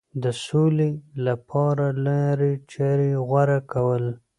د سولې لپاره لارې چارې غوره کول.